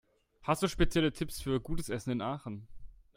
Hast du spezielle Tipps für gutes Essen in Aachen?